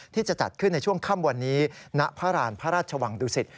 ที่จะจัดขึ้นในช่วงค่ำวันนี้ณพระราณพระราชวังดุสิต